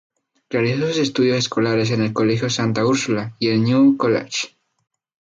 Realizó sus estudios escolares en el Colegio Santa Úrsula y el Newton College.